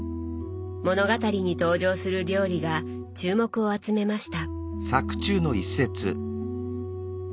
物語に登場する料理が注目を集めました。